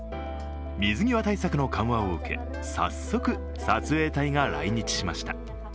水際対策の緩和を受け、早速、撮影隊が来日しました。